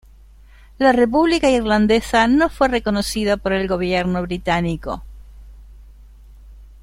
La República Irlandesa no fue reconocida por el Gobierno Británico.